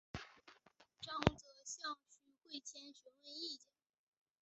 张则向陈惠谦询问意见。